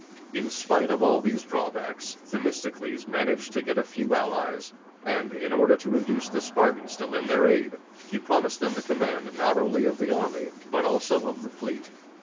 In spite of all these drawbacks, Themistocles managed to get a few allies; and, in order to induce the Spartans to lend their aid, he promised them the command not only of the army, but also of the fleet.